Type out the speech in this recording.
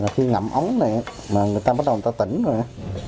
khi ngậm ống này mà người ta bắt đầu người ta tỉnh rồi